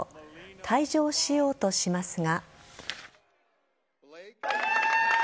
退場しようとしますが。